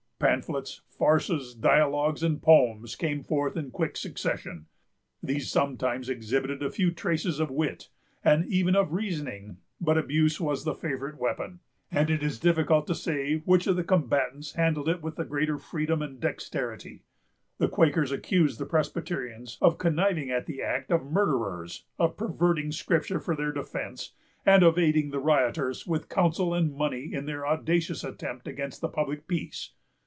Pamphlets, farces, dialogues, and poems came forth in quick succession. These sometimes exhibited a few traces of wit, and even of reasoning; but abuse was the favorite weapon, and it is difficult to say which of the combatants handled it with the greater freedom and dexterity. The Quakers accused the Presbyterians of conniving at the act of murderers, of perverting Scripture for their defence, and of aiding the rioters with counsel and money in their audacious attempt against the public peace.